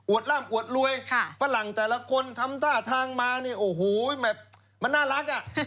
อวดร่ำอวดรวยฝรั่งแต่ละคนทำต้าทางมาโอ้โหมันน่ารัก